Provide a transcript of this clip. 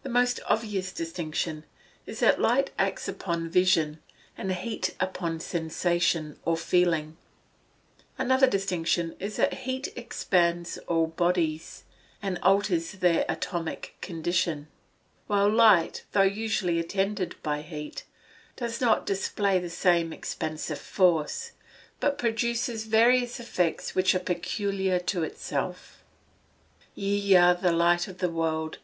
_ The most obvious distinction is, that light acts upon vision, and heat upon sensation, or feeling. Another distinction is, that heat expands all bodies, and alters their atomic condition; while light, though usually attended by heat, does not display the same expansive force, but produces various effects which are peculiar to itself. [Verse: "Ye are the light of the world.